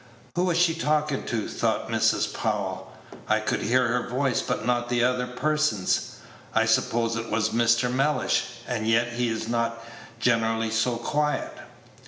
"Who was she talking to?" thought Mrs. Powell. "I could hear her voice, but not the other person's. I suppose it was Mr. Mellish: and yet he is not generally so quiet."